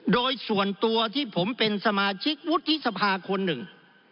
โดยส่วนตัวที่ผมเป็นสมาชิกวุฒิสภาคนหนึ่ง